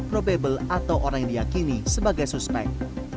probable atau orang yang diakini sebagai suspek